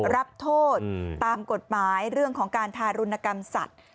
รับโทษตามกฎหมายเรื่องของการทารุณกรรมสัตว์